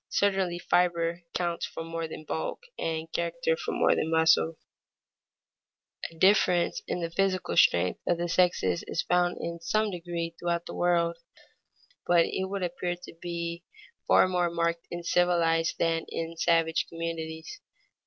Certainly fiber counts for more than bulk, and character for more than muscle. [Sidenote: Comparative strength of men and women] A difference in the physical strength of the sexes is found in some degree throughout the world, but it would appear to be far more marked in civilized than in savage communities.